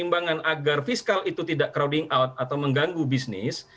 pertimbangan agar fiskal itu tidak crowding out atau mengganggu bisnis